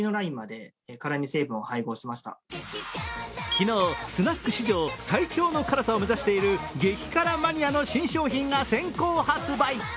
昨日、スナック史上最強の辛さを目指している激辛マニアの新商品が先行発売。